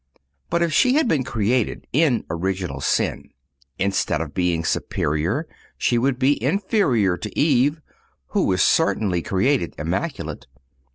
But if she had been created in original sin, instead of being superior, she would be inferior to Eve, who was certainly created immaculate.